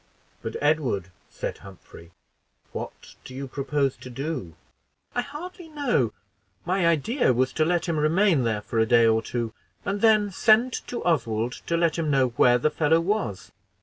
"But, Edward," said Humphrey, "what do you propose to do?" "I hardly know; my idea was to let him remain there for a day or two, and then send to Oswald to let him know where the fellow was."